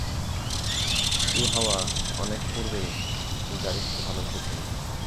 ইউহাওয়া অনেক পূর্বেই যারীদকে ভালবেসে ছিল।